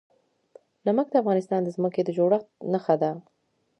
نمک د افغانستان د ځمکې د جوړښت نښه ده.